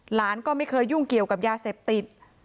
หลานก็ไม่เคยยุ่งเกี่ยวกับยาเสพติด